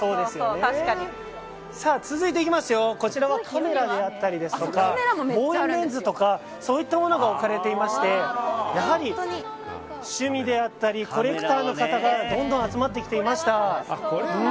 続いてこちらはカメラであったり望遠レンズとかそういったものが置かれていましてやはり、趣味であったりコレクターの方がどんどん集まってきていました。